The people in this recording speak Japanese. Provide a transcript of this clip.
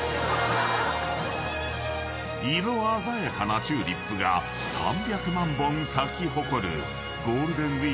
［色鮮やかなチューリップが３００万本咲き誇るゴールデンウイークの時期にしか見られない］